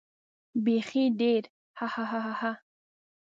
بېخي ډېر هههه.